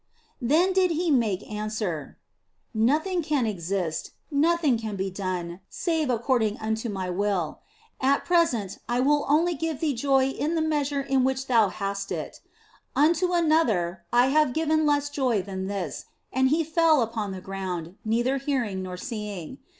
Then did He make answer: " Nothing can exist, nothing can be done save according unto My will. At present I will only give thee joy in the measure in which thou hast it. Unto another have I given less joy than this, and he fell upon the ground, neither hearing nor seeing.